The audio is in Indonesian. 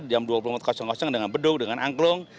jam dua puluh dengan beduk dengan angklung